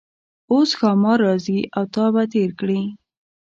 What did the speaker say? اوس ښامار راځي او تا به تیر کړي.